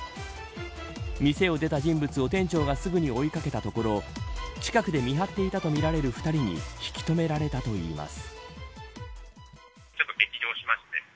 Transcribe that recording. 店を出た人物を店長がすぐに追いかけたところ近くで見張っていたとみられる２人に引き止められたといいます。